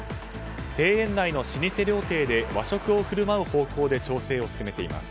庭園内の老舗料亭で和食をふるまう方向で調整を進めています。